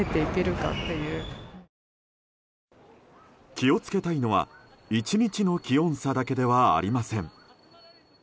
気を付けたいのは、１日の気温差だけではありません。